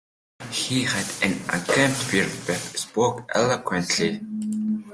He had an unkempt beard but spoke eloquently.